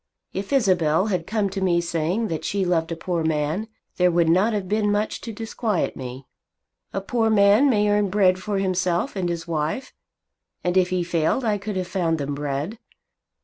If Isabel had come to me saying that she loved a poor man, there would not have been much to disquiet me. A poor man may earn bread for himself and his wife, and if he failed I could have found them bread.